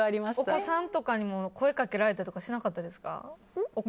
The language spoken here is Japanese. お子さんとかにも声掛けられたりしなかったですか。